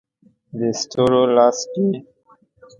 د ستورو لاس کې